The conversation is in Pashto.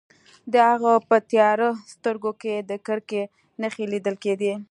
د هغه په تیاره سترګو کې د کرکې نښې لیدل کیدې